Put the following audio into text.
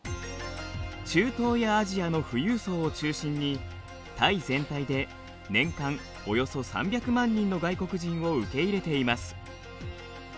中東やアジアの富裕層を中心にタイ全体で年間およそ３００万人の外国人を受け入れています。